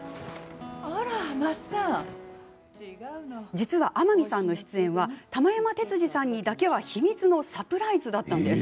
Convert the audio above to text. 実は天海さんの出演は玉山鉄二さんにだけは秘密のサプライズだったんです。